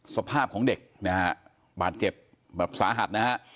สภาพของเด็กนะฮะบาดเจ็บแบบสาหัสนะฮะ